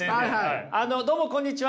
どうもこんにちは。